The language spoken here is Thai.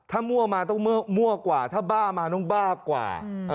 ถ้ามั่วมาต้องมั่วกว่าถ้าบ้ามาต้องบ้ากว่า